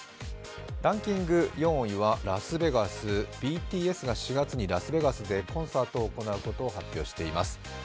ランキング４位はラスベガスＢＴＳが４月にラスベガスでコンサートを行うことを発表しています。